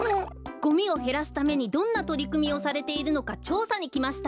ゴミをへらすためにどんなとりくみをされているのかちょうさにきました。